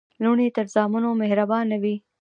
لوڼي تر زامنو مهربانه وي.